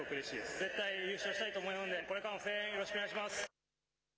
絶対優勝したいと思うので、これからも声援、よろしくお願いしま